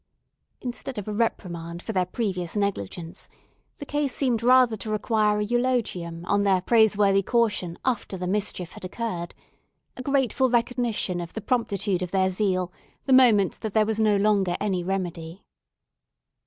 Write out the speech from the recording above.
Instead of a reprimand for their previous negligence, the case seemed rather to require an eulogium on their praiseworthy caution after the mischief had happened; a grateful recognition of the promptitude of their zeal the moment that there was no longer any remedy.